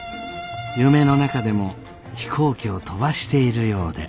夢の中でも飛行機を飛ばしているようで。